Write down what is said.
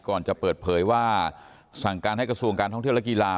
ก่อนจะเปิดเผยว่าสั่งการให้กระทรวงการท่องเที่ยวและกีฬา